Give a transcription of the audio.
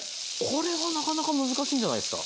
これはなかなか難しいんじゃないですか？